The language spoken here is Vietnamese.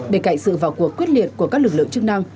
bên cạnh sự vào cuộc quyết liệt của các lực lượng chức năng